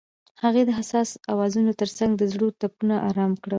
هغې د حساس اوازونو ترڅنګ د زړونو ټپونه آرام کړل.